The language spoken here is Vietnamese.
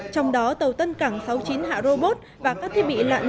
trong đó tàu tân cảng sáu mươi chín hạ robot và các thiết bị lặn